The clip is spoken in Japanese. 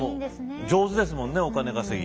上手ですもんねお金稼ぎ。